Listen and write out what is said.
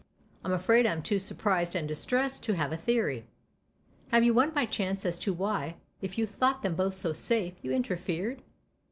" I'm afraid I'm too surprised and distressed to have a theory." " Have you one by chance as to why, if you thought them both so safe, you interfered